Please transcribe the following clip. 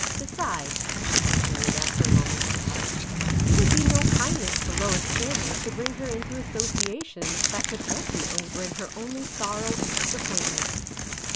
Besides," she continued after a moment's thought, it would be no kindness to Lois Chandler to bring her into associations that could ulti mately bring her only sorrow and disappointment."